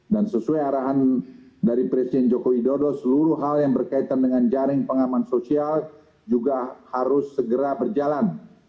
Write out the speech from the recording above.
dan sesuai arahan dari presiden joko widodo seluruh hal yang berkaitan dengan jaring pengaman sosial juga harus segera berjalan